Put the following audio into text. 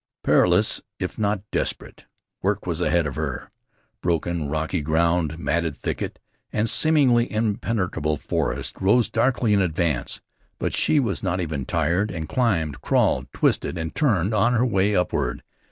Perilous, if not desperate, work was ahead of her. Broken, rocky ground, matted thicket, and seemingly impenetrable forest, rose darkly in advance. But she was not even tired, and climbed, crawled, twisted and turned on her way upward.